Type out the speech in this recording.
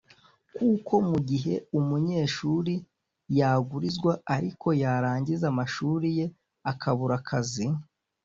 kuko mu gihe umunyeshuli yagurizwa ariko yarangiza amashuri ye akabura akazi